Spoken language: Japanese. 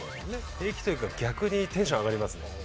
平気というか逆にテンション上がりますね。